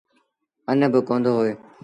اَن با ڪوندو هوئي۔